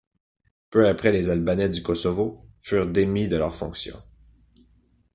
Peu après les Albanais du Kosovo furent démis de leurs fonctions.